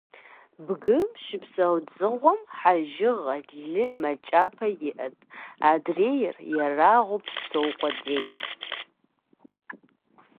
Бгым щыпсэу дзыгъуэм хьэжыгъэ, лы, мэл кӀапэ иӀэт, адрейр - ерагъыу псэу къудейт.